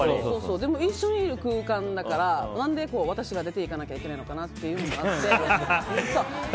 でも一緒にいる空間だから何で私が出ていかなきゃいけないのかなというのがあって。